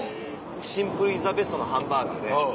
シンプルイズザベストのハンバーガーで。